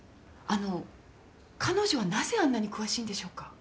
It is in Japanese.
あの彼女はなぜあんなに詳しいんでしょうか？